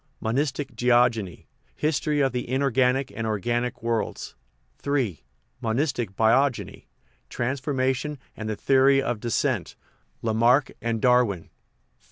Monistic Geogeny History of the Inorganic and Organic Worlds III. Monistic Biogeny Transformism and the Theory of Descent: Lamarck and Darwin IV.